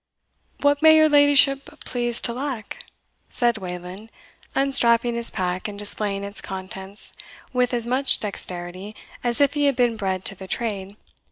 "What may your ladyship please to lack?" said Wayland, unstrapping his pack, and displaying its contents with as much dexterity as if he had been bred to the trade.